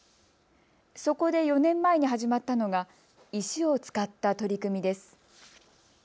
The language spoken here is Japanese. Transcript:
そこで４年前に始まったのが石を使った取り組みです。